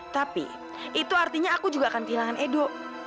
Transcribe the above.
tapi itu artinya aku juga akan kehilangan edo